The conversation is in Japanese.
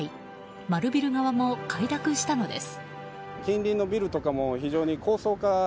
マルビル側も快諾したのです。